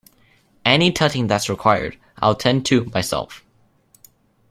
Any tutting that's required, I'll attend to myself.